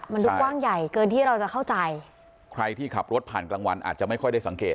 มันดูกว้างใหญ่เกินที่เราจะเข้าใจใครที่ขับรถผ่านกลางวันอาจจะไม่ค่อยได้สังเกต